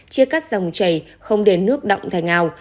chia cắt dòng chảy không để nước động thành ao